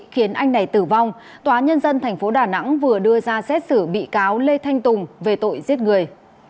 khiến anh này tử vong tòa nhân dân tp đà nẵng vừa đưa ra xét xử bị cáo lê thanh tùng về tội giết người